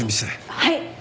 はい！